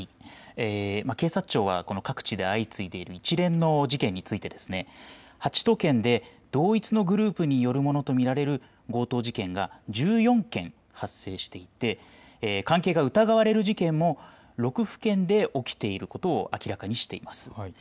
警察庁は各地で相次いでいる一連の事件について８都県で同一のグループによるものと見られる強盗事件が１４件発生していて関係が疑われる事件も６府県で起きていることを明らかにしています。